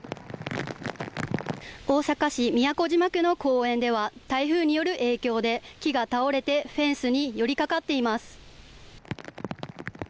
大阪市都島区の公園では、台風による影響で、木が倒れて、フェンスに寄りかかっています。